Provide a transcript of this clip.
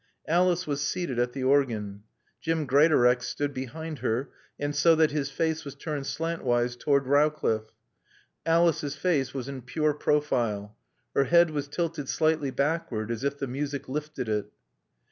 Alice was seated at the organ. Jim Greatorex stood behind her and so that his face was turned slantwise toward Rowcliffe. Alice's face was in pure profile. Her head was tilted slightly backward, as if the music lifted it.